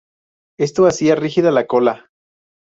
Esto hacía rígida la cola.